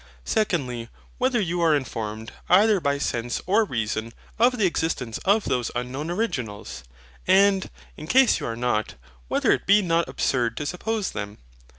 Secondly, whether you are informed, either by sense or reason, of the existence of those unknown originals? And, in case you are not, whether it be not absurd to suppose them?